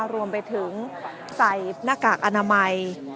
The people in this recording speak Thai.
รวมไปถึงใส่หน้ากากอนามัย